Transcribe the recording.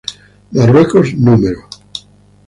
Marruecos núm.